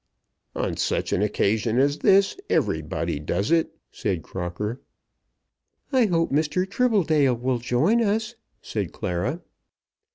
"On such an occasion as this everybody does it," said Crocker. "I hope Mr. Tribbledale will join us," said Clara.